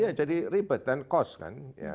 iya jadi ribet kan kos kan